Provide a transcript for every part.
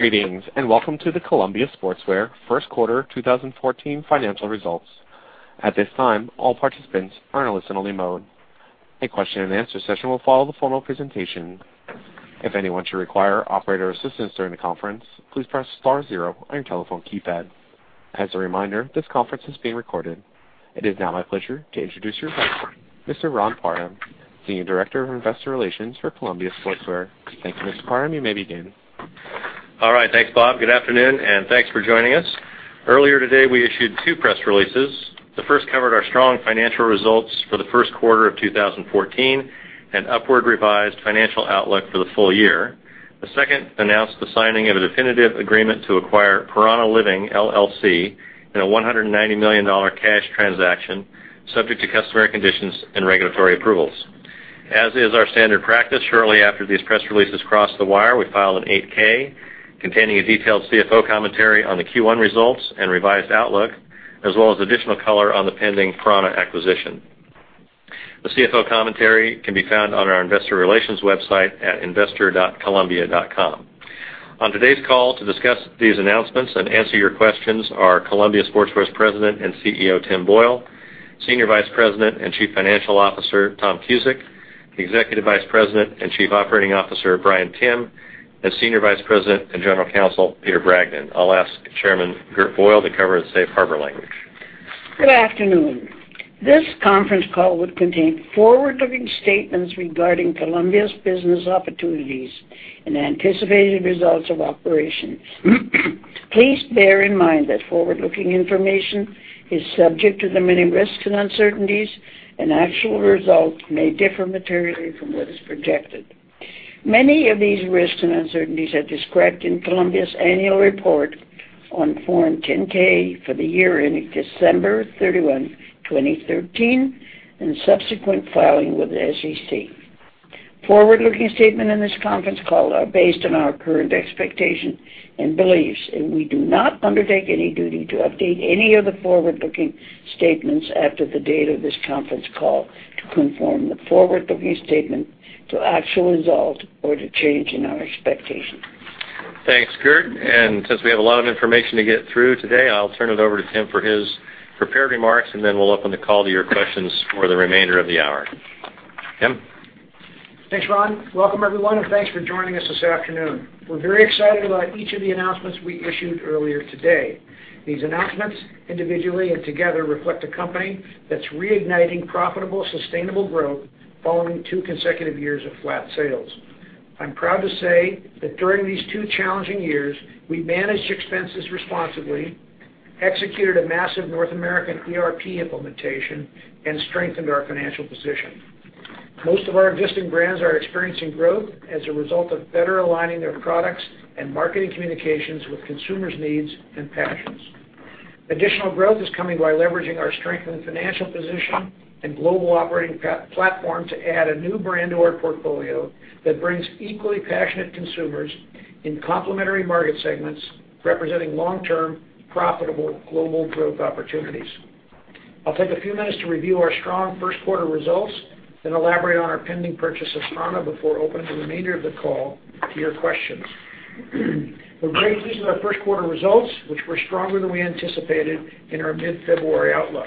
Greetings, welcome to the Columbia Sportswear first quarter 2014 financial results. At this time, all participants are in a listen-only mode. A question and answer session will follow the formal presentation. If anyone should require operator assistance during the conference, please press star zero on your telephone keypad. As a reminder, this conference is being recorded. It is now my pleasure to introduce your host, Mr. Ron Parham, Senior Director of Investor Relations for Columbia Sportswear. Thank you, Mr. Parham, you may begin. All right. Thanks, Bob. Good afternoon, thanks for joining us. Earlier today, we issued two press releases. The first covered our strong financial results for the first quarter of 2014, and upward revised financial outlook for the full year. The second announced the signing of a definitive agreement to acquire prAna Living LLC in a $190 million cash transaction subject to customary conditions and regulatory approvals. As is our standard practice, shortly after these press releases crossed The Wire, we filed an 8-K containing a detailed CFO commentary on the Q1 results and revised outlook, as well as additional color on the pending prAna acquisition. The CFO commentary can be found on our investor relations website at investor.columbia.com. On today's call to discuss these announcements and answer your questions are Columbia Sportswear's President and CEO, Tim Boyle, Senior Vice President and Chief Financial Officer, Tom Cusick, Executive Vice President and Chief Operating Officer, Bryan Timm, and Senior Vice President and General Counsel, Peter Bragdon. I'll ask Chairman Gert Boyle to cover the safe harbor language. Good afternoon. This conference call will contain forward-looking statements regarding Columbia's business opportunities and anticipated results of operations. Please bear in mind that forward-looking information is subject to the many risks and uncertainties, actual results may differ materially from what is projected. Many of these risks and uncertainties are described in Columbia's annual report on Form 10-K for the year ending December 31, 2013, and subsequent filing with the SEC. Forward-looking statements in this conference call are based on our current expectations and beliefs, we do not undertake any duty to update any of the forward-looking statements after the date of this conference call to conform the forward-looking statement to actual results or to change in our expectations. Thanks, Gert. Since we have a lot of information to get through today, I'll turn it over to Tim for his prepared remarks, then we'll open the call to your questions for the remainder of the hour. Tim? Thanks, Ron. Welcome, everyone, thanks for joining us this afternoon. We're very excited about each of the announcements we issued earlier today. These announcements, individually and together, reflect a company that's reigniting profitable, sustainable growth following 2 consecutive years of flat sales. I'm proud to say that during these 2 challenging years, we managed expenses responsibly, executed a massive North American ERP implementation, and strengthened our financial position. Most of our existing brands are experiencing growth as a result of better aligning their products and marketing communications with consumers' needs and passions. Additional growth is coming by leveraging our strength in financial position and global operating platform to add a new brand to our portfolio that brings equally passionate consumers in complementary market segments, representing long-term, profitable global growth opportunities. I'll take a few minutes to review our strong first quarter results, then elaborate on our pending purchase of prAna before opening the remainder of the call to your questions. We're very pleased with our first quarter results, which were stronger than we anticipated in our mid-February outlook.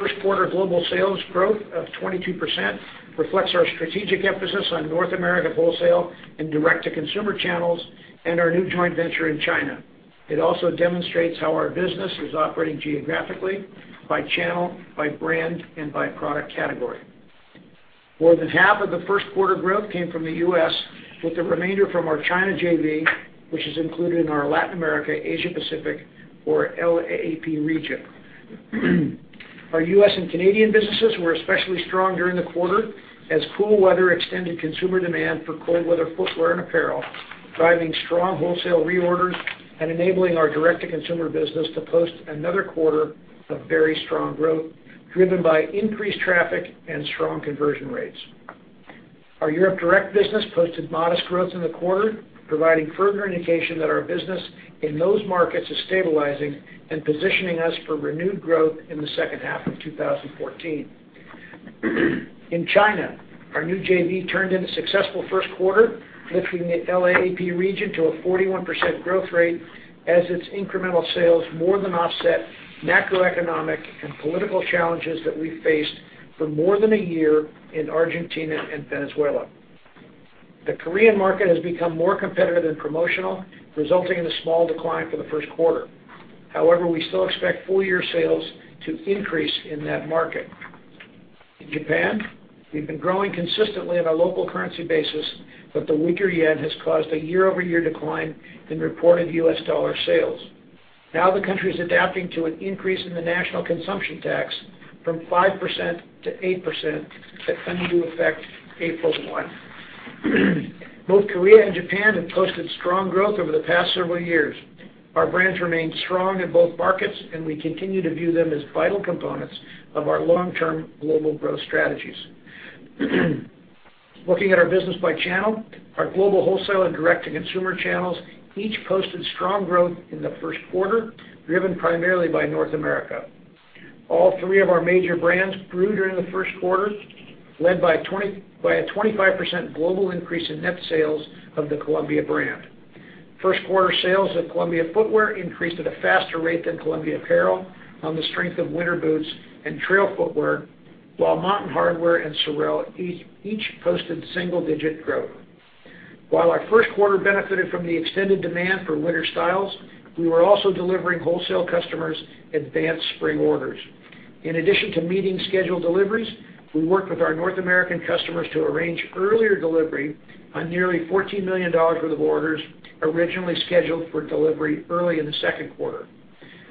First quarter global sales growth of 22% reflects our strategic emphasis on North America wholesale and direct-to-consumer channels and our new joint venture in China. It also demonstrates how our business is operating geographically, by channel, by brand, and by product category. More than half of the first quarter growth came from the U.S., with the remainder from our China JV, which is included in our Latin America, Asia Pacific or LAAP region. Our U.S. and Canadian businesses were especially strong during the quarter as cool weather extended consumer demand for cold weather footwear and apparel, driving strong wholesale reorders and enabling our direct-to-consumer business to post another quarter of very strong growth driven by increased traffic and strong conversion rates. Our Europe direct business posted modest growth in the quarter, providing further indication that our business in those markets is stabilizing and positioning us for renewed growth in the second half of 2014. In China, our new JV turned in a successful first quarter, lifting the LAAP region to a 41% growth rate as its incremental sales more than offset macroeconomic and political challenges that we faced for more than a year in Argentina and Venezuela. The Korean market has become more competitive and promotional, resulting in a small decline for the first quarter. However, we still expect full-year sales to increase in that market. In Japan, we've been growing consistently on a local currency basis, but the weaker yen has caused a year-over-year decline in reported US dollar sales. The country is adapting to an increase in the national consumption tax from 5% to 8% that came into effect April 1. Both Korea and Japan have posted strong growth over the past several years. Our brands remain strong in both markets, and we continue to view them as vital components of our long-term global growth strategies. Looking at our business by channel, our global wholesale and direct-to-consumer channels each posted strong growth in the first quarter, driven primarily by North America. All three of our major brands grew during the first quarter, led by a 25% global increase in net sales of the Columbia brand. First quarter sales at Columbia Footwear increased at a faster rate than Columbia Apparel on the strength of winter boots and trail footwear, while Mountain Hardwear and SOREL each posted single-digit growth. While our first quarter benefited from the extended demand for winter styles, we were also delivering wholesale customers advanced spring orders. In addition to meeting scheduled deliveries, we worked with our North American customers to arrange earlier delivery on nearly $14 million worth of orders originally scheduled for delivery early in the second quarter.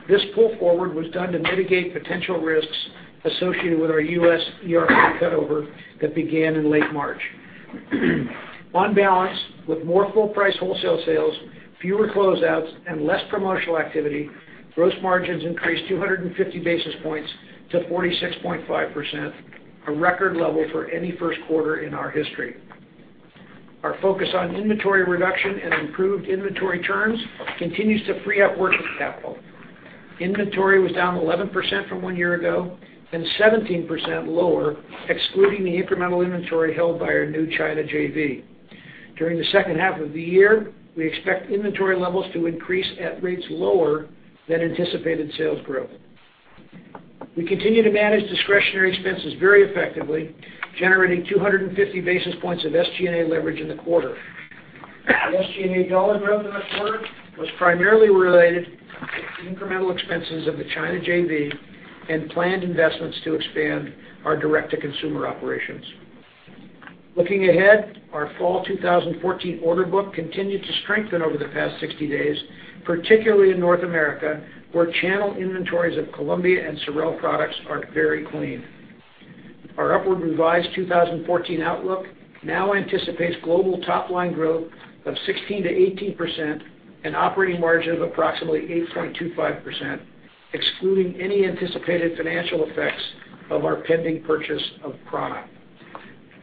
This pull forward was done to mitigate potential risks associated with our U.S. ERP cutover that began in late March. On balance, with more full price wholesale sales, fewer closeouts, and less promotional activity, gross margins increased 250 basis points to 46.5%, a record level for any first quarter in our history. Our focus on inventory reduction and improved inventory turns continues to free up working capital. Inventory was down 11% from one year ago and 17% lower, excluding the incremental inventory held by our new China JV. During the second half of the year, we expect inventory levels to increase at rates lower than anticipated sales growth. We continue to manage discretionary expenses very effectively, generating 250 basis points of SG&A leverage in the quarter. The SG&A dollar growth in the quarter was primarily related to incremental expenses of the China JV and planned investments to expand our direct-to-consumer operations. Looking ahead, our fall 2014 order book continued to strengthen over the past 60 days, particularly in North America, where channel inventories of Columbia and SOREL products are very clean. Our upward revised 2014 outlook now anticipates global top-line growth of 16%-18% and operating margin of approximately 8.25%, excluding any anticipated financial effects of our pending purchase of prAna.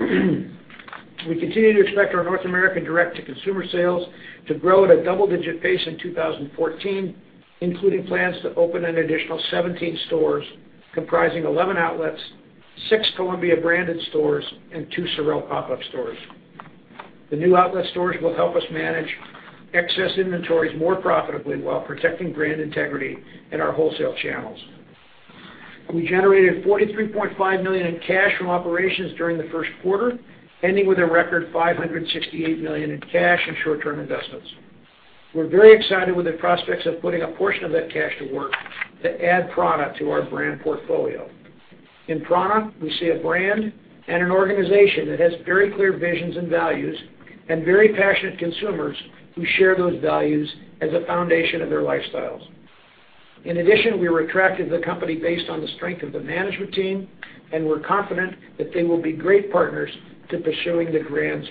We continue to expect our North American direct-to-consumer sales to grow at a double-digit pace in 2014, including plans to open an additional 17 stores comprising 11 outlets, six Columbia branded stores, and two SOREL pop-up stores. The new outlet stores will help us manage excess inventories more profitably while protecting brand integrity in our wholesale channels. We generated $43.5 million in cash from operations during the first quarter, ending with a record $568 million in cash and short-term investments. We're very excited with the prospects of putting a portion of that cash to work to add prAna to our brand portfolio. In prAna, we see a brand and an organization that has very clear visions and values and very passionate consumers who share those values as a foundation of their lifestyles. In addition, we were attracted to the company based on the strength of the management team. We're confident that they will be great partners to pursuing the brand's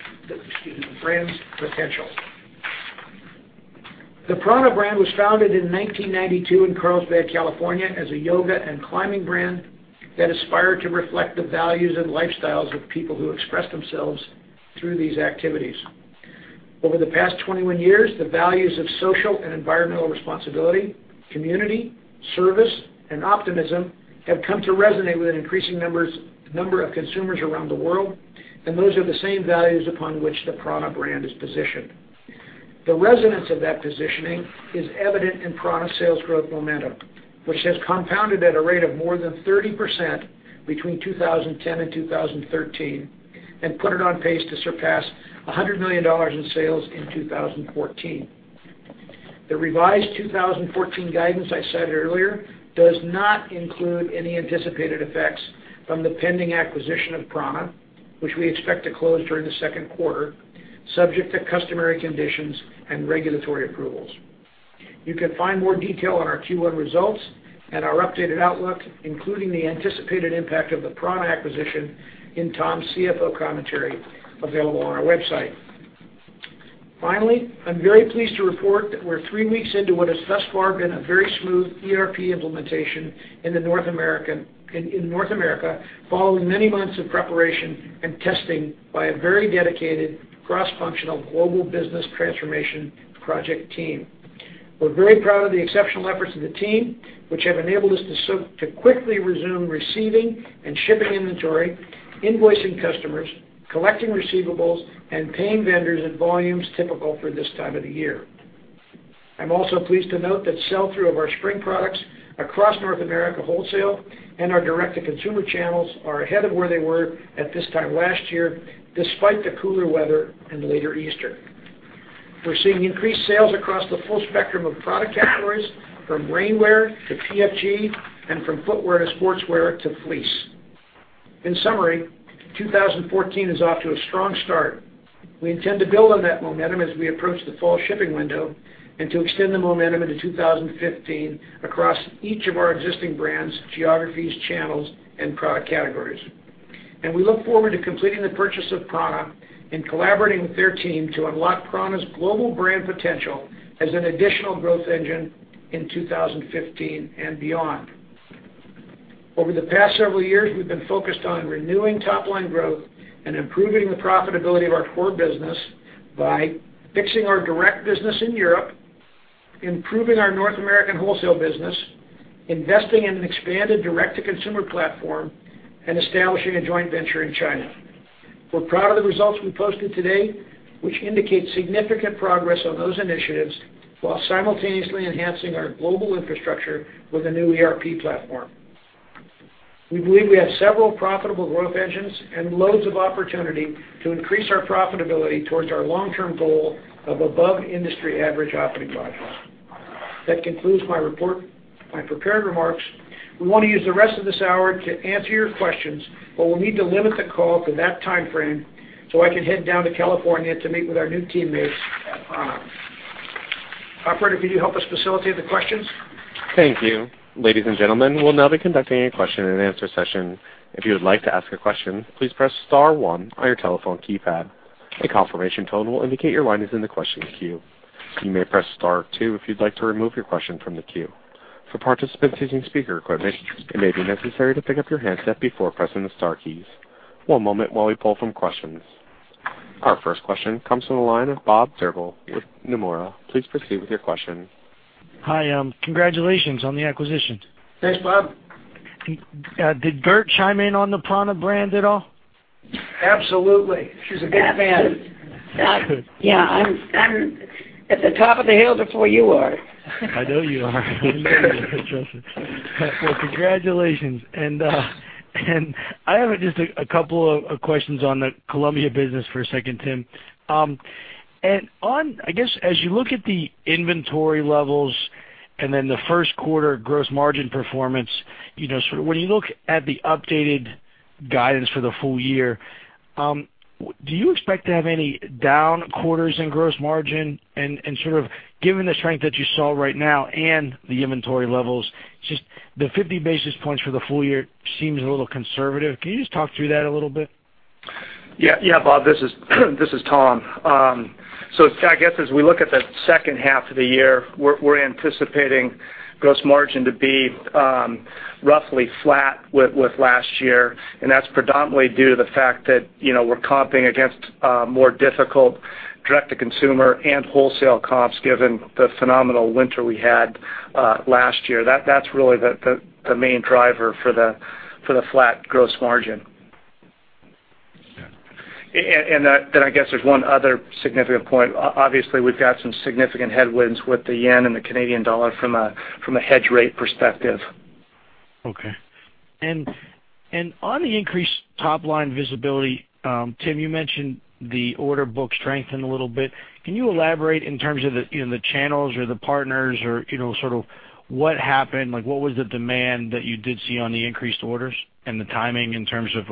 potential. The prAna brand was founded in 1992 in Carlsbad, California, as a yoga and climbing brand that aspired to reflect the values and lifestyles of people who express themselves through these activities. Over the past 21 years, the values of social and environmental responsibility, community, service, and optimism have come to resonate with an increasing number of consumers around the world. Those are the same values upon which the prAna brand is positioned. The resonance of that positioning is evident in prAna's sales growth momentum, which has compounded at a rate of more than 30% between 2010 and 2013 and put it on pace to surpass $100 million in sales in 2014. The revised 2014 guidance I cited earlier does not include any anticipated effects from the pending acquisition of prAna, which we expect to close during the second quarter, subject to customary conditions and regulatory approvals. You can find more detail on our Q1 results and our updated outlook, including the anticipated impact of the prAna acquisition, in Tom's CFO commentary available on our website. Finally, I'm very pleased to report that we're three weeks into what has thus far been a very smooth ERP implementation in North America, following many months of preparation and testing by a very dedicated cross-functional global business transformation project team. We're very proud of the exceptional efforts of the team, which have enabled us to quickly resume receiving and shipping inventory, invoicing customers, collecting receivables, and paying vendors at volumes typical for this time of the year. I'm also pleased to note that sell-through of our spring products across North America wholesale and our direct-to-consumer channels are ahead of where they were at this time last year, despite the cooler weather and later Easter. We're seeing increased sales across the full spectrum of product categories, from rainwear to PFG and from footwear to sportswear to fleece. In summary, 2014 is off to a strong start. We intend to build on that momentum as we approach the fall shipping window and to extend the momentum into 2015 across each of our existing brands, geographies, channels, and product categories. We look forward to completing the purchase of prAna and collaborating with their team to unlock prAna's global brand potential as an additional growth engine in 2015 and beyond. Over the past several years, we've been focused on renewing top-line growth and improving the profitability of our core business by fixing our direct business in Europe, improving our North American wholesale business, investing in an expanded direct-to-consumer platform, and establishing a joint venture in China. We're proud of the results we posted today, which indicate significant progress on those initiatives while simultaneously enhancing our global infrastructure with a new ERP platform. We believe we have several profitable growth engines and loads of opportunity to increase our profitability towards our long-term goal of above industry average operating profits. That concludes my report, my prepared remarks. We want to use the rest of this hour to answer your questions. We'll need to limit the call to that timeframe so I can head down to California to meet with our new teammates at prAna. Operator, could you help us facilitate the questions? Thank you. Ladies and gentlemen, we'll now be conducting a question and answer session. If you would like to ask a question, please press *1 on your telephone keypad. A confirmation tone will indicate your line is in the questions queue. You may press *2 if you'd like to remove your question from the queue. For participants using speaker equipment, it may be necessary to pick up your handset before pressing the * keys. One moment while we pull from questions. Our first question comes from the line of Bob Drbul with Nomura. Please proceed with your question. Hi. Congratulations on the acquisition. Thanks, Bob. Did Gert chime in on the prAna brand at all? Absolutely. She's a big fan. Yeah. I'm at the top of the hill before you are. I know you are. I know you are, trust me. Well, congratulations. I have just a couple of questions on the Columbia business for a second, Tim. On, I guess, as you look at the inventory levels and then the first quarter gross margin performance, when you look at the updated guidance for the full year, do you expect to have any down quarters in gross margin? Sort of given the strength that you saw right now and the inventory levels, just the 50 basis points for the full year seems a little conservative. Can you just talk through that a little bit? I guess as we look at the second half of the year, we're anticipating gross margin to be roughly flat with last year, and that's predominantly due to the fact that we're comping against more difficult direct-to-consumer and wholesale comps given the phenomenal winter we had last year. That's really the main driver for the flat gross margin. Yeah. I guess there's one other significant point. Obviously, we've got some significant headwinds with the yen and the Canadian dollar from a hedge rate perspective. Okay. On the increased top-line visibility, Tim, you mentioned the order book strengthened a little bit. Can you elaborate in terms of the channels or the partners or sort of what happened? What was the demand that you did see on the increased orders and the timing in terms of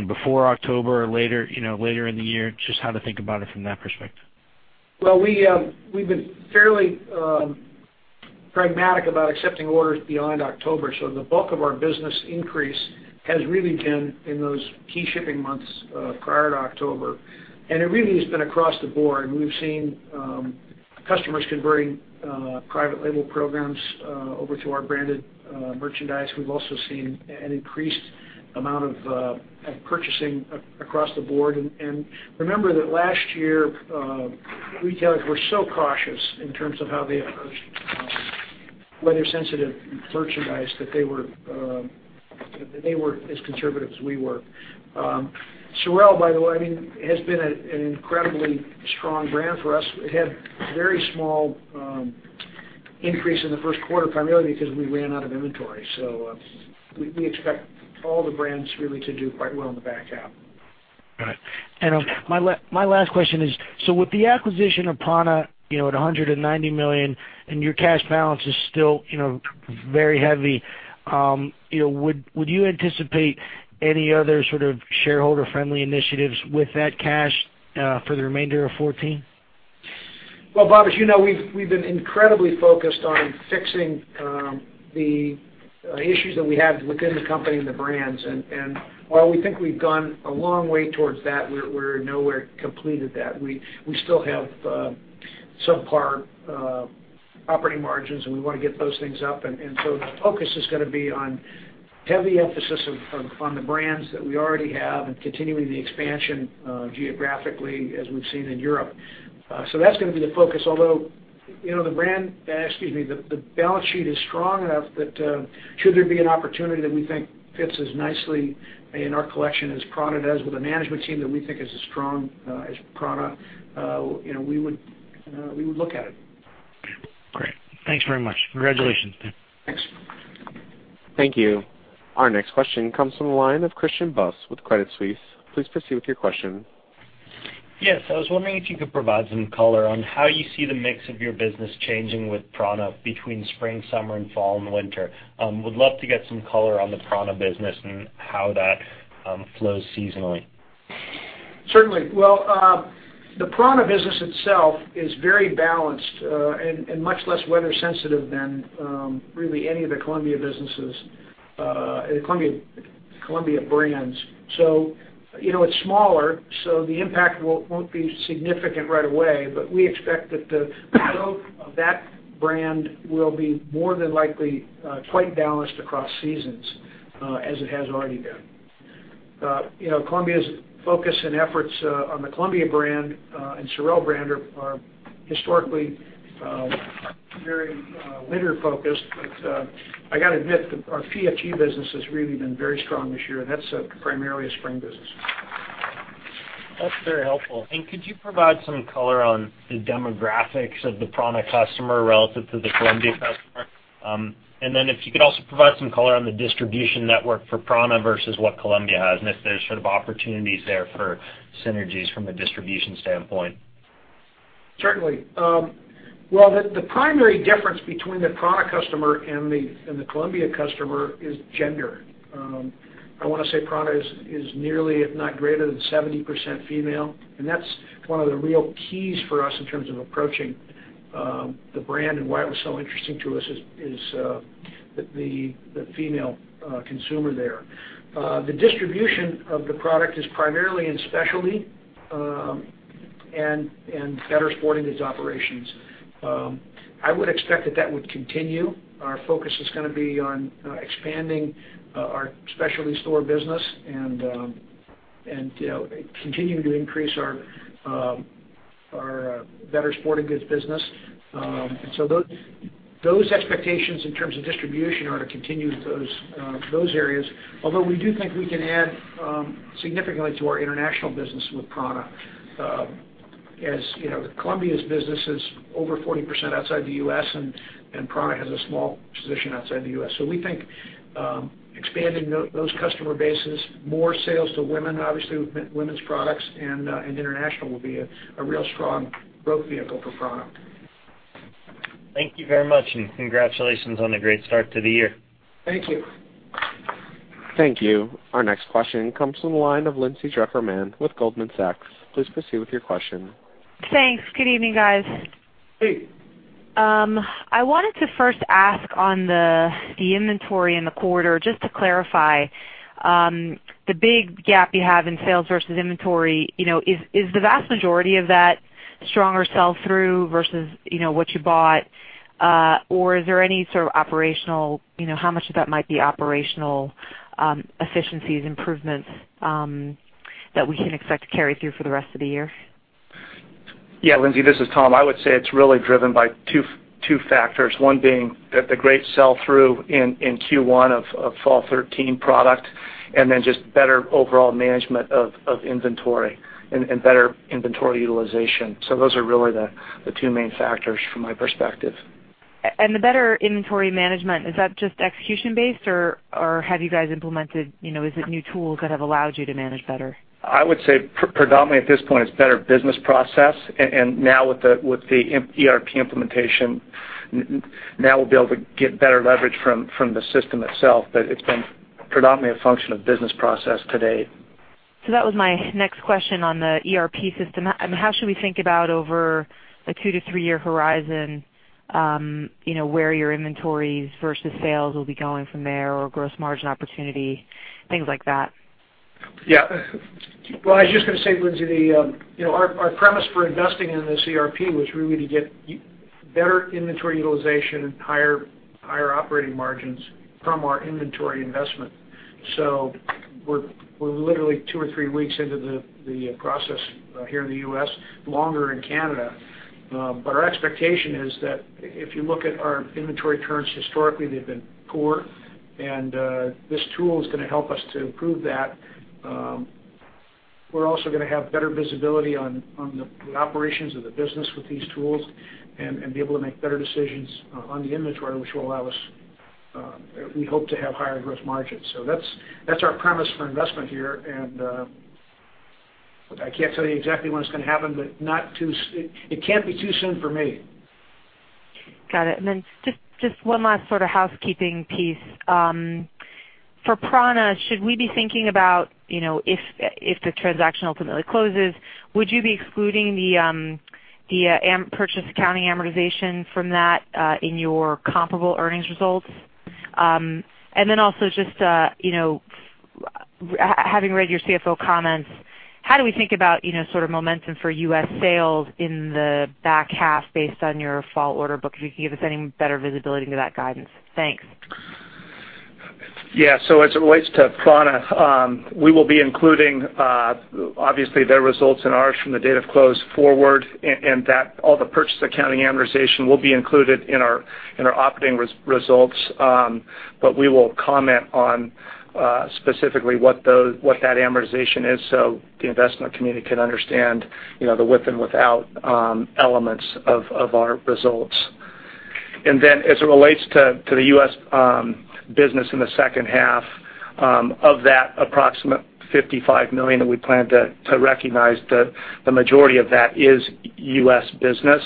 before October or later in the year? Just how to think about it from that perspective. Well, we've been fairly pragmatic about accepting orders beyond October. The bulk of our business increase has really been in those key shipping months prior to October. It really has been across the board. We've seen customers converting private label programs over to our branded merchandise. We've also seen an increased amount of purchasing across the board. Remember that last year, retailers were so cautious in terms of how they approached weather-sensitive merchandise that they were as conservative as we were. SOREL, by the way, has been an incredibly strong brand for us. It had very small increase in the first quarter, primarily because we ran out of inventory. We expect all the brands really to do quite well on the back half. Got it. My last question is, with the acquisition of prAna at $190 million and your cash balance is still very heavy, would you anticipate any other sort of shareholder-friendly initiatives with that cash for the remainder of 2014? Well, Bob, as you know, we've been incredibly focused on fixing the issues that we have within the company and the brands. While we think we've gone a long way towards that, we're nowhere completed that. We still have subpar operating margins, and we want to get those things up. The focus is going to be on heavy emphasis on the brands that we already have and continuing the expansion geographically as we've seen in Europe. That's going to be the focus, although the balance sheet is strong enough that should there be an opportunity that we think fits as nicely in our collection as prAna does with a management team that we think is as strong as prAna, we would look at it. Great. Thanks very much. Congratulations. Thanks. Thank you. Our next question comes from the line of Christian Buss with Credit Suisse. Please proceed with your question. Yes. I was wondering if you could provide some color on how you see the mix of your business changing with prAna between spring, summer and fall and winter. Would love to get some color on the prAna business and how that flows seasonally. Certainly. The prAna business itself is very balanced, and much less weather sensitive than really any of the Columbia businesses, Columbia brands. It's smaller, so the impact won't be significant right away, but we expect that the growth of that brand will be more than likely quite balanced across seasons as it has already been. Columbia's focus and efforts on the Columbia brand and SOREL brand are historically very winter-focused. I got to admit, our PFG business has really been very strong this year, and that's primarily a spring business. That's very helpful. Could you provide some color on the demographics of the prAna customer relative to the Columbia customer? If you could also provide some color on the distribution network for prAna versus what Columbia has, and if there's sort of opportunities there for synergies from a distribution standpoint. Certainly. The primary difference between the prAna customer and the Columbia customer is gender. I want to say prAna is nearly, if not greater than 70% female, and that's one of the real keys for us in terms of approaching the brand and why it was so interesting to us is the female consumer there. The distribution of the product is primarily in specialty and better sporting goods operations. I would expect that would continue. Our focus is going to be on expanding our specialty store business and continuing to increase our better sporting goods business. Those expectations in terms of distribution are to continue those areas. Although we do think we can add significantly to our international business with prAna. As Columbia's business is over 40% outside the U.S., and prAna has a small position outside the U.S. We think expanding those customer bases, more sales to women, obviously, with women's products and international will be a real strong growth vehicle for prAna. Thank you very much, congratulations on the great start to the year. Thank you. Thank you. Our next question comes from the line of Lindsay Drucker Mann with Goldman Sachs. Please proceed with your question. Thanks. Good evening, guys. Hey. I wanted to first ask on the inventory in the quarter, just to clarify, the big gap you have in sales versus inventory, is the vast majority of that stronger sell-through versus what you bought? Or is there any sort of operational, how much of that might be operational efficiencies improvements that we can expect to carry through for the rest of the year? Yeah, Lindsay, this is Tom. I would say it's really driven by two factors. One being that the great sell-through in Q1 of fall 2013 product, then just better overall management of inventory and better inventory utilization. Those are really the two main factors from my perspective. The better inventory management, is that just execution-based, or have you guys implemented, is it new tools that have allowed you to manage better? I would say predominantly at this point, it's better business process, and now with the ERP implementation, now we'll be able to get better leverage from the system itself. It's been predominantly a function of business process to date. That was my next question on the ERP system. How should we think about over a two to three-year horizon where your inventories versus sales will be going from there or gross margin opportunity, things like that? Yeah. Well, I was just going to say, Lindsay, our premise for investing in this ERP was really to get better inventory utilization and higher operating margins from our inventory investment. We're literally two or three weeks into the process here in the U.S., longer in Canada. Our expectation is that if you look at our inventory turns, historically, they've been poor, and this tool is going to help us to improve that. We're also going to have better visibility on the operations of the business with these tools and be able to make better decisions on the inventory, which will allow us, we hope to have higher gross margins. That's our premise for investment here. I can't tell you exactly when it's going to happen, but it can't be too soon for me. Got it. Just one last sort of housekeeping piece. For prAna, should we be thinking about, if the transaction ultimately closes, would you be excluding the purchase accounting amortization from that in your comparable earnings results? Also just having read your CFO comments, how do we think about sort of momentum for U.S. sales in the back half based on your fall order book? If you can give us any better visibility into that guidance. Thanks. As it relates to prAna, we will be including, obviously, their results and ours from the date of close forward, and all the purchase accounting amortization will be included in our operating results. We will comment on specifically what that amortization is so the investment community can understand the with and without elements of our results. As it relates to the U.S. business in the second half, of that approximate $55 million that we plan to recognize, the majority of that is U.S. business.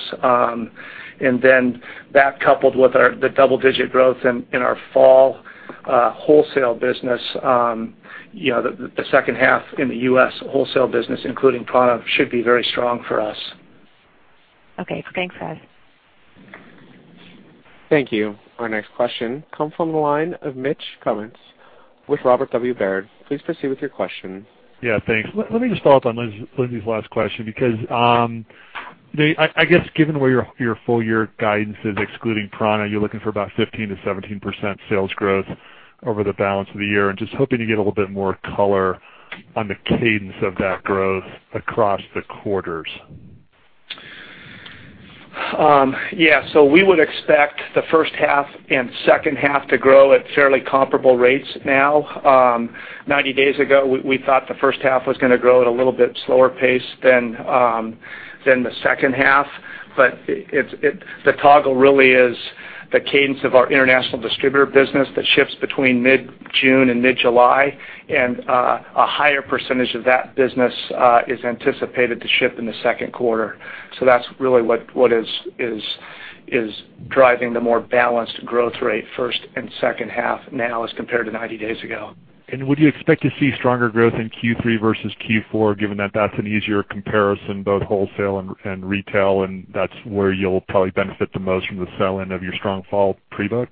That coupled with the double-digit growth in our fall wholesale business, the second half in the U.S. wholesale business, including prAna, should be very strong for us. Okay. Thanks, guys. Thank you. Our next question comes from the line of Mitch Kummetz with Robert W. Baird. Please proceed with your question. Thanks. Let me just follow up on Lindsay's last question. Tom, I guess given where your full year guidance is excluding prAna, you're looking for about 15%-17% sales growth over the balance of the year, and just hoping to get a little bit more color on the cadence of that growth across the quarters. Yeah. We would expect the first half and second half to grow at fairly comparable rates now. 90 days ago, we thought the first half was going to grow at a little bit slower pace than the second half, but the toggle really is the cadence of our international distributor business that shifts between mid-June and mid-July, and a higher percentage of that business is anticipated to ship in the second quarter. That's really what is driving the more balanced growth rate first and second half now as compared to 90 days ago. Would you expect to see stronger growth in Q3 versus Q4, given that that's an easier comparison, both wholesale and retail, and that's where you'll probably benefit the most from the sell-in of your strong fall pre-book?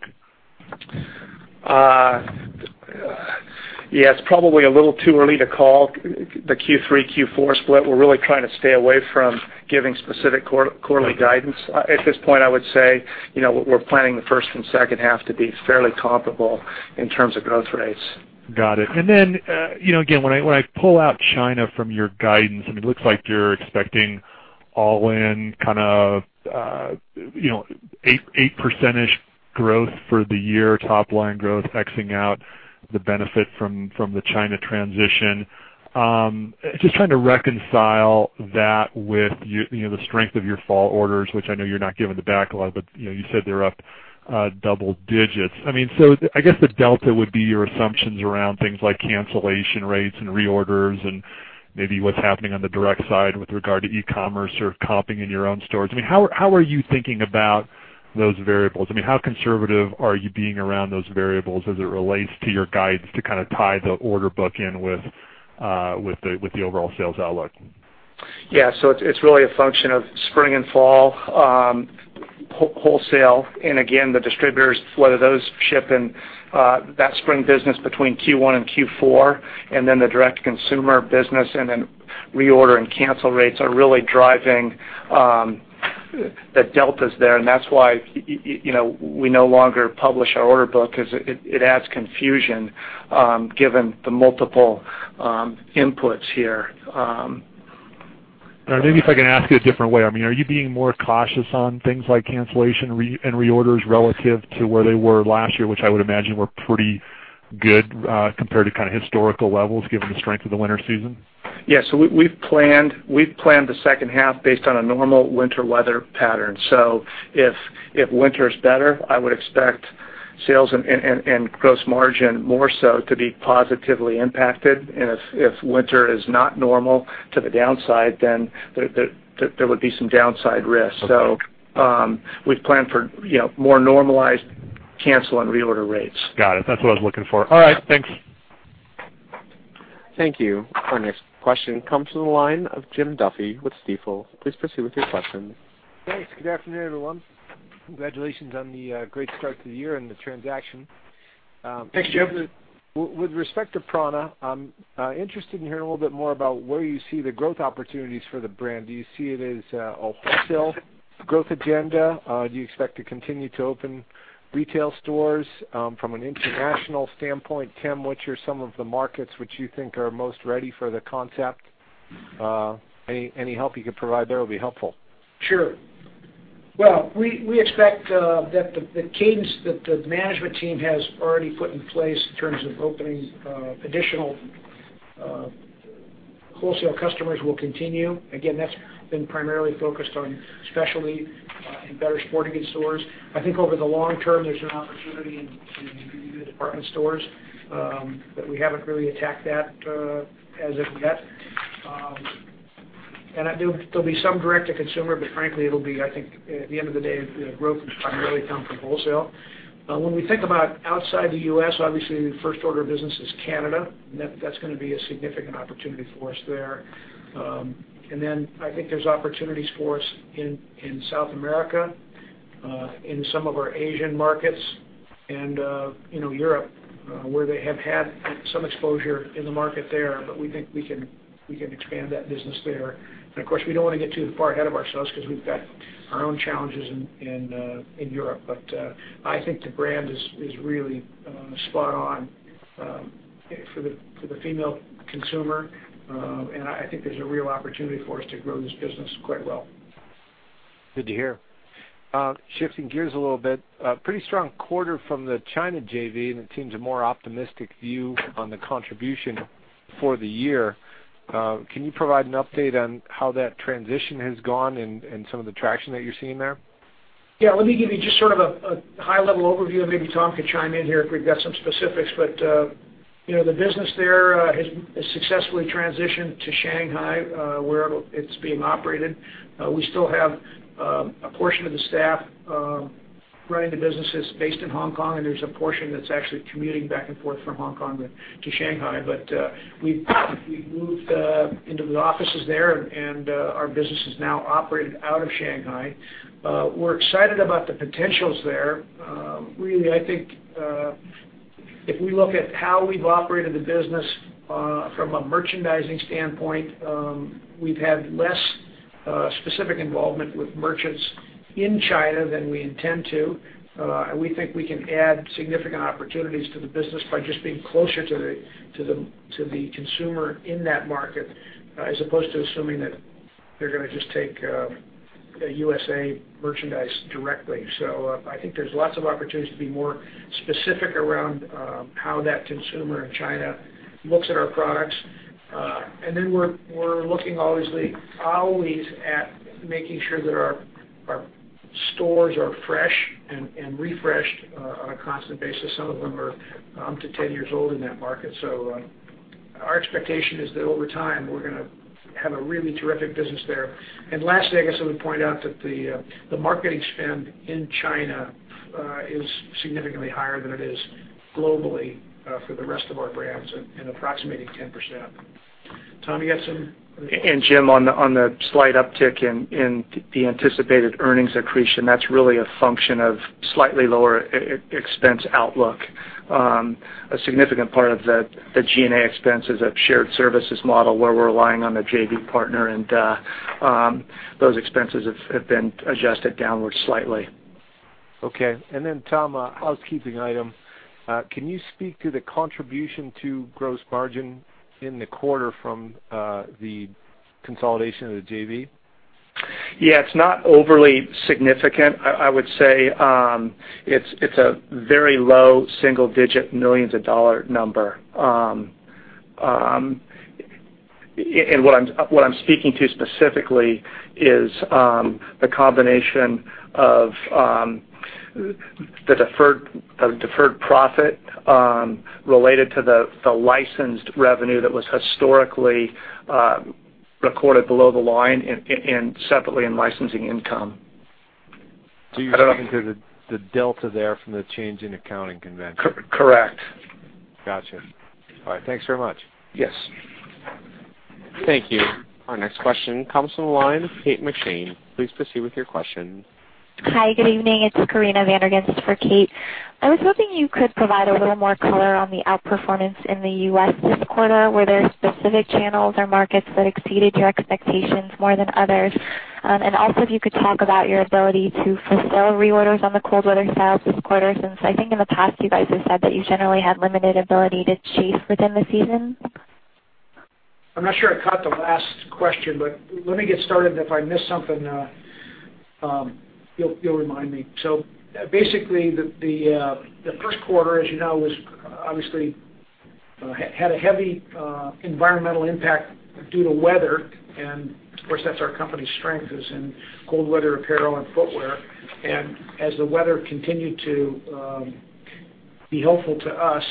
Yeah. It's probably a little too early to call the Q3, Q4 split. We're really trying to stay away from giving specific quarterly guidance. At this point, I would say, we're planning the first and second half to be fairly comparable in terms of growth rates. Got it. When I pull out China from your guidance, it looks like you're expecting all-in kind of 8% growth for the year, top line growth, exing out the benefit from the China transition. Just trying to reconcile that with the strength of your fall orders, which I know you're not giving the backlog, but you said they're up double digits. I guess the delta would be your assumptions around things like cancellation rates and reorders and maybe what's happening on the direct side with regard to e-commerce or comping in your own stores. How are you thinking about those variables? How conservative are you being around those variables as it relates to your guides to kind of tie the order book in with the overall sales outlook? Yeah. It's really a function of spring and fall wholesale. The distributors, whether those ship in that spring business between Q1 and Q4, and then the direct-to-consumer business, and then reorder and cancel rates are really driving the deltas there, and that's why we no longer publish our order book, because it adds confusion given the multiple inputs here. Maybe if I can ask it a different way. Are you being more cautious on things like cancellation and reorders relative to where they were last year, which I would imagine were pretty good compared to kind of historical levels, given the strength of the winter season? Yeah. We've planned the second half based on a normal winter weather pattern. If winter is better, I would expect sales and gross margin more so to be positively impacted. If winter is not normal to the downside, then there would be some downside risk. We've planned for more normalized cancel and reorder rates. Got it. That's what I was looking for. All right. Thanks. Thank you. Our next question comes to the line of Jim Duffy with Stifel. Please proceed with your question. Thanks. Good afternoon, everyone. Congratulations on the great start to the year and the transaction. Thanks, Jim. With respect to prAna, I'm interested in hearing a little bit more about where you see the growth opportunities for the brand. Do you see it as a wholesale growth agenda? Do you expect to continue to open retail stores? From an international standpoint, Tim, what are some of the markets which you think are most ready for the concept? Any help you could provide there will be helpful. Sure. Well, we expect that the cadence that the management team has already put in place in terms of opening additional wholesale customers will continue. Again, that's been primarily focused on specialty and better sporting goods stores. I think over the long term, there's an opportunity in the department stores, we haven't really attacked that as of yet. There'll be some direct to consumer, frankly, it'll be, I think at the end of the day, the growth will primarily come from wholesale. When we think about outside the U.S., obviously the first order of business is Canada. That's going to be a significant opportunity for us there. Then I think there's opportunities for us in South America, in some of our Asian markets, and Europe, where they have had some exposure in the market there, but we think we can expand that business there. Of course, we don't want to get too far ahead of ourselves because we've got our own challenges in Europe. I think the brand is really spot on for the female consumer, and I think there's a real opportunity for us to grow this business quite well. Good to hear. Shifting gears a little bit, pretty strong quarter from the China JV, it seems a more optimistic view on the contribution for the year. Can you provide an update on how that transition has gone and some of the traction that you're seeing there? Let me give you just sort of a high-level overview, and maybe Tom can chime in here if we've got some specifics. The business there has successfully transitioned to Shanghai, where it's being operated. We still have a portion of the staff running the businesses based in Hong Kong, and there's a portion that's actually commuting back and forth from Hong Kong to Shanghai. We've moved into the offices there, and our business is now operating out of Shanghai. We're excited about the potentials there. If we look at how we've operated the business from a merchandising standpoint, we've had less specific involvement with merchants in China than we intend to. We think we can add significant opportunities to the business by just being closer to the consumer in that market, as opposed to assuming that they're going to just take U.S.A. merchandise directly. I think there's lots of opportunity to be more specific around how that consumer in China looks at our products. Then we're looking, obviously, always at making sure that our stores are fresh and refreshed on a constant basis. Some of them are up to 10 years old in that market. Our expectation is that over time, we're going to have a really terrific business there. Lastly, I guess I would point out that the marketing spend in China is significantly higher than it is globally for the rest of our brands and approximating 10%. Tom, you got some other things? Jim, on the slight uptick in the anticipated earnings accretion, that's really a function of slightly lower expense outlook. A significant part of the G&A expense is a shared services model where we're relying on the JV partner, and those expenses have been adjusted downwards slightly. Okay. Tom, a housekeeping item. Can you speak to the contribution to gross margin in the quarter from the consolidation of the JV? Yeah. It's not overly significant. I would say it's a very low single-digit millions of dollar number. What I'm speaking to specifically is the combination of the deferred profit related to the licensed revenue that was historically recorded below the line and separately in licensing income. You're talking to the delta there from the change in accounting convention. Correct. Got you. All right. Thanks very much. Yes. Thank you. Our next question comes from the line of Kate McShane. Please proceed with your question. Hi, good evening. It's Karina Zandbergen for Kate. I was hoping you could provide a little more color on the outperformance in the U.S. this quarter. Were there specific channels or markets that exceeded your expectations more than others? Also, if you could talk about your ability to fulfill reorders on the cold weather sales this quarter, since I think in the past you guys have said that you generally had limited ability to chase within the season. I'm not sure I caught the last question, but let me get started. If I miss something, you'll remind me. Basically, the first quarter, as you know, obviously had a heavy environmental impact due to weather. Of course, that's our company's strength is in cold weather apparel and footwear. As the weather continued to be helpful to us,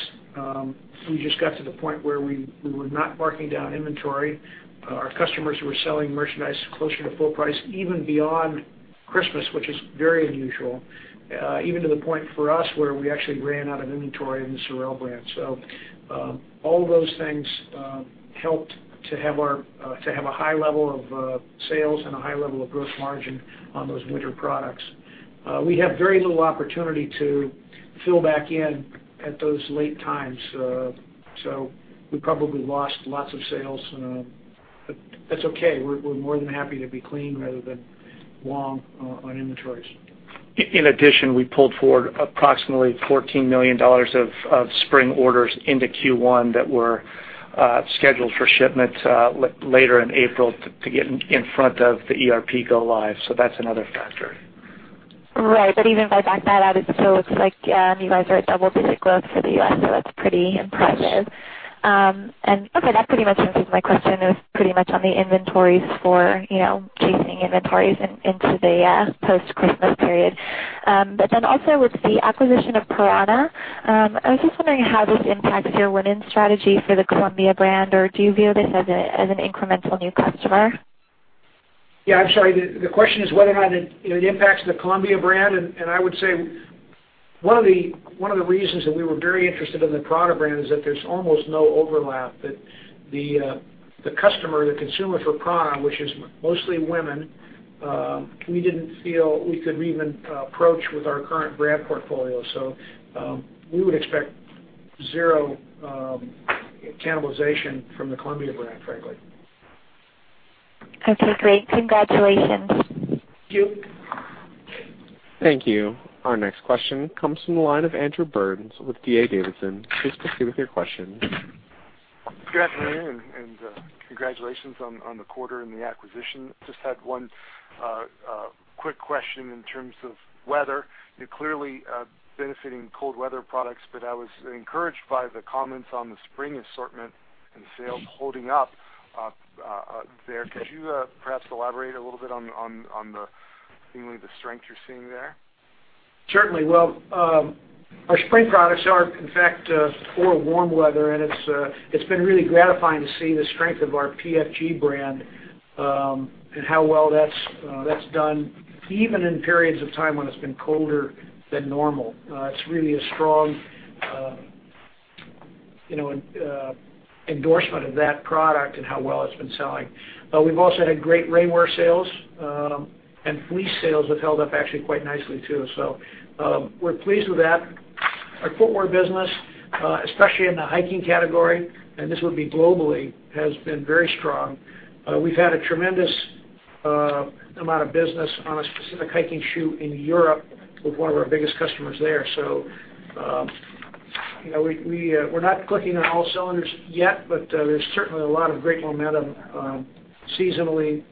we just got to the point where we were not marking down inventory. Our customers were selling merchandise closer to full price, even beyond Christmas, which is very unusual. Even to the point for us, where we actually ran out of inventory in the SOREL brand. All those things helped to have a high level of sales and a high level of gross margin on those winter products. We have very little opportunity to fill back in at those late times. We probably lost lots of sales, but that's okay. We're more than happy to be clean rather than long on inventories. In addition, we pulled forward approximately $14 million of spring orders into Q1 that were scheduled for shipment later in April to get in front of the ERP go live. That's another factor. Right. Even if I back that out, it still looks like you guys are at double-digit growth for the U.S. That's pretty impressive. Yes. Okay, that pretty much answers my question. It was pretty much on the inventories for chasing inventories into the post-Christmas period. Also with the acquisition of prAna, I was just wondering how this impacts your women strategy for the Columbia brand, or do you view this as an incremental new customer? Yeah, I'm sorry. The question is whether how it impacts the Columbia brand and I would say one of the reasons that we were very interested in the prAna brand is that there's almost no overlap. That the customer, the consumer for prAna, which is mostly women, we didn't feel we could even approach with our current brand portfolio. We would expect zero cannibalization from the Columbia brand, frankly. Okay, great. Congratulations. Thank you. Thank you. Our next question comes from the line of Andrew Burns with D.A. Davidson. Please proceed with your question. Good afternoon and congratulations on the quarter and the acquisition. Just had one quick question in terms of weather. You're clearly benefiting cold weather products, but I was encouraged by the comments on the spring assortment and sales holding up there. Could you perhaps elaborate a little bit on the seemingly the strength you're seeing there? Certainly. Well, our spring products are, in fact, for warm weather, and it's been really gratifying to see the strength of our PFG brand and how well that's done, even in periods of time when it's been colder than normal. It's really a strong endorsement of that product and how well it's been selling. We've also had great rainwear sales, and fleece sales have held up actually quite nicely, too. We're pleased with that. Our footwear business, especially in the hiking category, and this would be globally, has been very strong. We've had a tremendous amount of business on a specific hiking shoe in Europe with one of our biggest customers there. We're not clicking on all cylinders yet, but there's certainly a lot of great momentum seasonally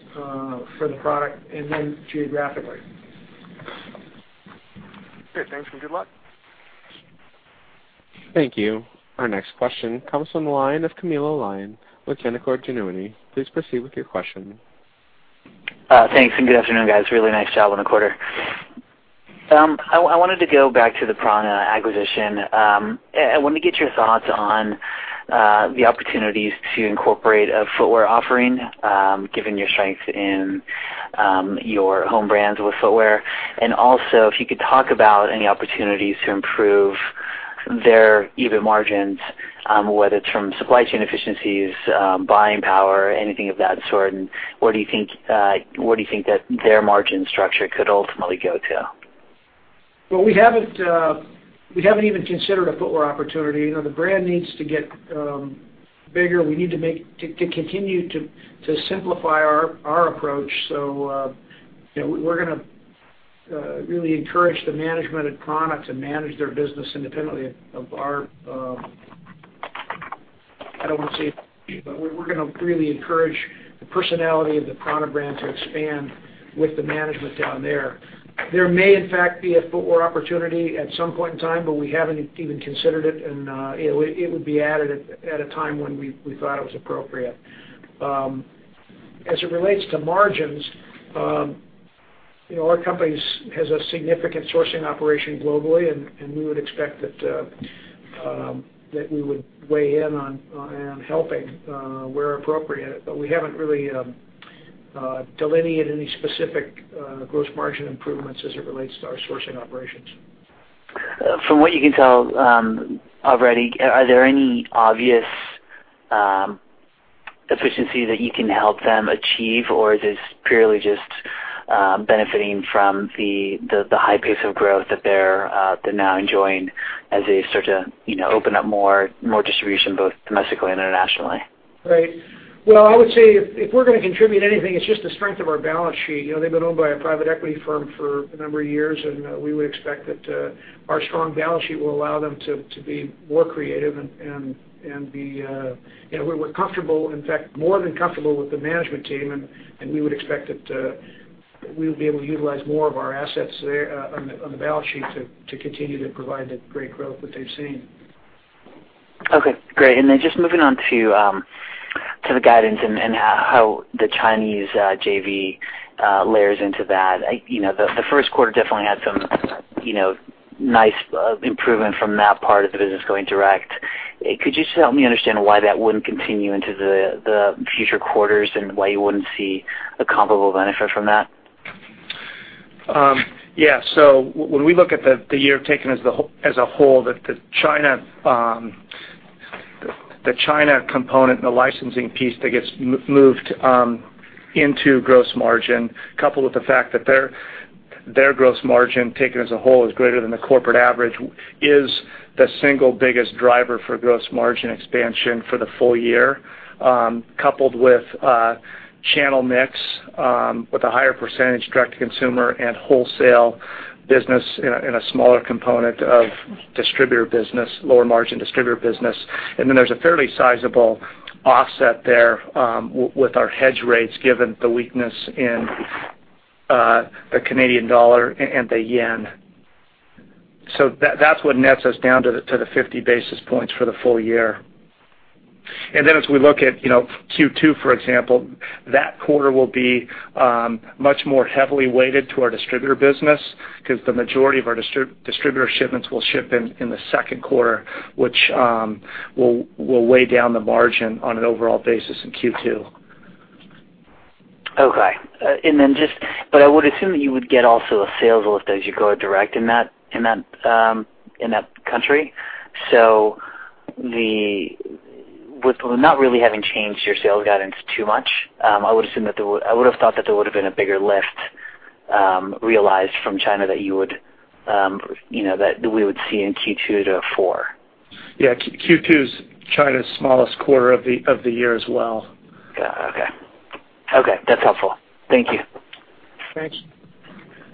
for the product and then geographically. Great. Thanks and good luck. Thank you. Our next question comes from the line of Camilo Lyon with Canaccord Genuity. Please proceed with your question. Thanks, good afternoon, guys. Really nice job on the quarter. I wanted to go back to the prAna acquisition. I wanted to get your thoughts on the opportunities to incorporate a footwear offering, given your strength in your home brands with footwear. Also, if you could talk about any opportunities to improve their EBIT margins, whether it's from supply chain efficiencies, buying power, anything of that sort, and where do you think that their margin structure could ultimately go to? We haven't even considered a footwear opportunity. The brand needs to get bigger. We need to continue to simplify our approach. We're going to really encourage the management at prAna to manage their business independently of our I don't want to say, we're going to really encourage the personality of the prAna brand to expand with the management down there. There may, in fact, be a footwear opportunity at some point in time, but we haven't even considered it, and it would be added at a time when we thought it was appropriate. As it relates to margins, our company has a significant sourcing operation globally, and we would expect that we would weigh in on helping where appropriate. We haven't really delineated any specific gross margin improvements as it relates to our sourcing operations. From what you can tell already, are there any obvious efficiencies that you can help them achieve, or is this purely just benefiting from the high pace of growth that they're now enjoying as they start to open up more distribution, both domestically and internationally? Right. Well, I would say if we're going to contribute anything, it's just the strength of our balance sheet. They've been owned by a private equity firm for a number of years, we would expect that our strong balance sheet will allow them to be more creative and we're comfortable, in fact, more than comfortable with the management team, we would expect that we'll be able to utilize more of our assets there on the balance sheet to continue to provide the great growth that they've seen. Okay, great. Just moving on to the guidance and how the Chinese JV layers into that. The first quarter definitely had some nice improvement from that part of the business going direct. Could you just help me understand why that wouldn't continue into the future quarters and why you wouldn't see a comparable benefit from that? When we look at the year taken as a whole, the China component and the licensing piece that gets moved into gross margin, coupled with the fact that their gross margin taken as a whole is greater than the corporate average, is the single biggest driver for gross margin expansion for the full year, coupled with channel mix with a higher percentage direct-to-consumer and wholesale business in a smaller component of distributor business, lower margin distributor business. There's a fairly sizable offset there with our hedge rates given the weakness in the Canadian dollar and the yen. That's what nets us down to the 50 basis points for the full year. As we look at Q2, for example, that quarter will be much more heavily weighted to our distributor business because the majority of our distributor shipments will ship in the second quarter, which will weigh down the margin on an overall basis in Q2. I would assume that you would get also a sales lift as you go direct in that country. With not really having changed your sales guidance too much, I would've thought that there would've been a bigger lift realized from China that we would see in Q2 to four. Q2 is China's smallest quarter of the year as well. Got it. Okay. Okay. That's helpful. Thank you. Thanks.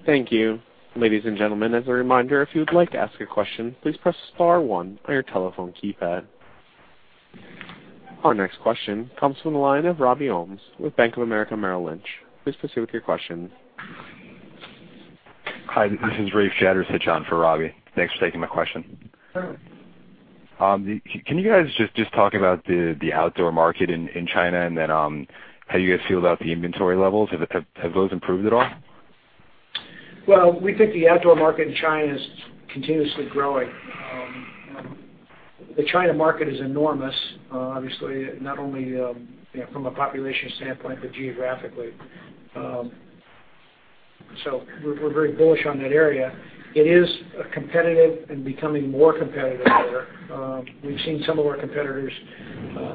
Thank you. Ladies and gentlemen, as a reminder, if you would like to ask a question, please press star one on your telephone keypad. Our next question comes from the line of Robbie Ohmes with Bank of America Merrill Lynch. Please proceed with your question. Hi, this is Rafe Jadrosich for Robbie. Thanks for taking my question. Sure. Can you guys just talk about the outdoor market in China and then how you guys feel about the inventory levels? Have those improved at all? Well, we think the outdoor market in China is continuously growing. The China market is enormous, obviously, not only from a population standpoint, but geographically. We're very bullish on that area. It is competitive and becoming more competitive there. We've seen some of our competitors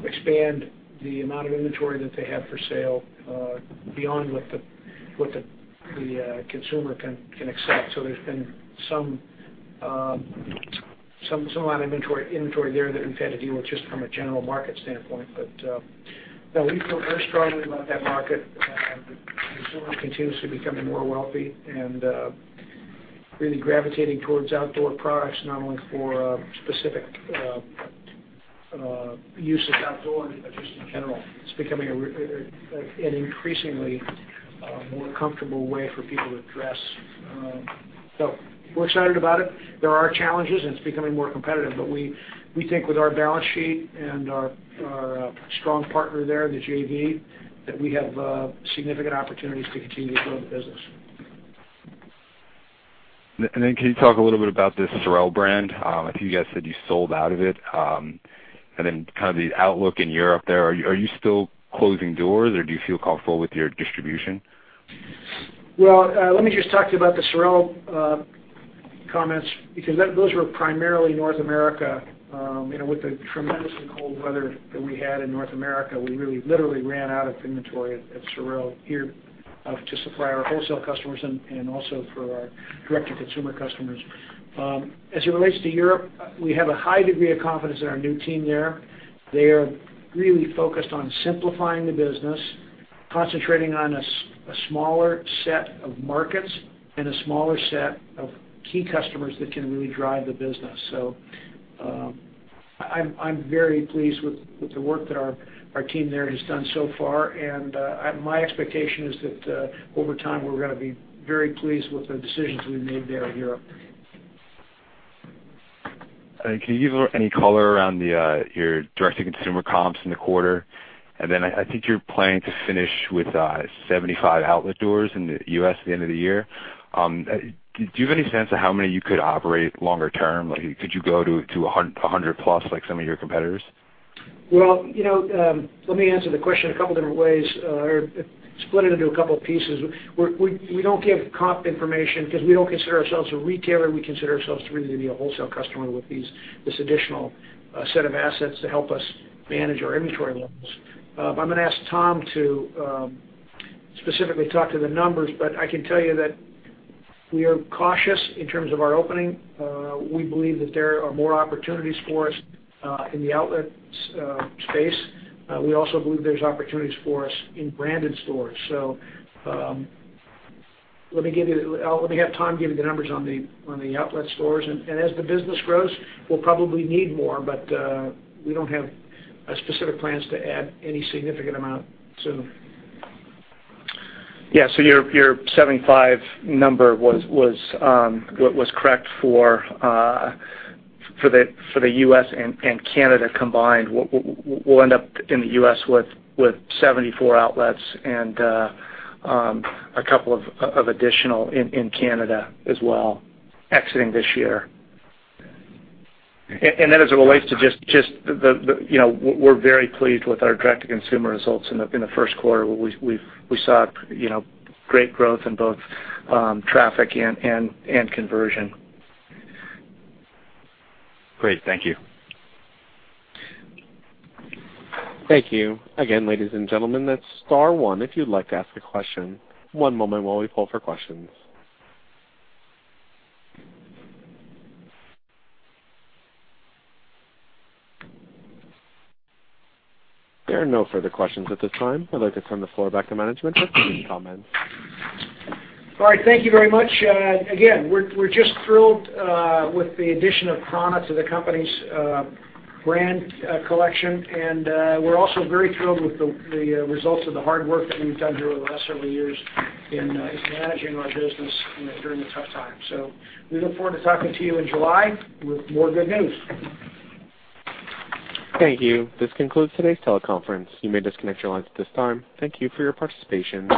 expand the amount of inventory that they have for sale beyond what the consumer can accept. There's been some inventory there that we've had to deal with just from a general market standpoint. No, we feel very strongly about that market. The consumer continuously becoming more wealthy and really gravitating towards outdoor products, not only for specific use outdoors, but just in general. It's becoming an increasingly more comfortable way for people to dress. We're excited about it. There are challenges, and it's becoming more competitive, we think with our balance sheet and our strong partner there, the JV, that we have significant opportunities to continue to grow the business. Can you talk a little bit about this SOREL brand? I think you guys said you sold out of it. The outlook in Europe there, are you still closing doors or do you feel comfortable with your distribution? Well, let me just talk to you about the SOREL comments because those were primarily North America. With the tremendously cold weather that we had in North America, we really literally ran out of inventory at SOREL here to supply our wholesale customers and also for our direct-to-consumer customers. As it relates to Europe, we have a high degree of confidence in our new team there. They are really focused on simplifying the business, concentrating on a smaller set of markets and a smaller set of key customers that can really drive the business. I'm very pleased with the work that our team there has done so far. My expectation is that, over time, we're going to be very pleased with the decisions we've made there in Europe. Can you give any color around your direct-to-consumer comps in the quarter? I think you're planning to finish with 75 outlet doors in the U.S. at the end of the year. Do you have any sense of how many you could operate longer term? Could you go to 100 plus like some of your competitors? Well, let me answer the question a couple different ways, or split it into a couple pieces. We don't give comp information because we don't consider ourselves a retailer. We consider ourselves to really be a wholesale customer with this additional set of assets to help us manage our inventory levels. I'm going to ask Tom to specifically talk to the numbers, but I can tell you that we are cautious in terms of our opening. We believe that there are more opportunities for us in the outlet space. We also believe there's opportunities for us in branded stores. Let me have Tom give you the numbers on the outlet stores. As the business grows, we'll probably need more, but we don't have specific plans to add any significant amount soon. Yeah. Your 75 number was correct for the U.S. and Canada combined. We'll end up in the U.S. with 74 outlets and a couple of additional in Canada as well, exiting this year. We're very pleased with our direct-to-consumer results in the first quarter. We saw great growth in both traffic and conversion. Great. Thank you. Thank you. Again, ladies and gentlemen, that's star one if you'd like to ask a question. One moment while we poll for questions. There are no further questions at this time. I'd like to turn the floor back to management for any comments. All right. Thank you very much. Again, we're just thrilled with the addition of prAna to the company's brand collection. We're also very thrilled with the results of the hard work that we've done here over the last several years in managing our business during the tough times. We look forward to talking to you in July with more good news. Thank you. This concludes today's teleconference. You may disconnect your lines at this time. Thank you for your participation.